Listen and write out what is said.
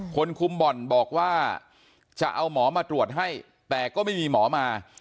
คนคุมบ่อนบอกว่าจะเอาหมอมาตรวจให้แต่ก็ไม่มีหมอมา